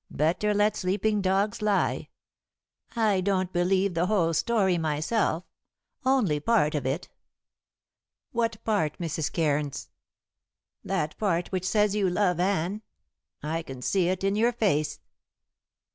"Better let sleeping dogs lie. I don't believe the whole story myself only part of it." "What part, Mrs. Cairns?" "That part which says you love Anne. I can see it in your face."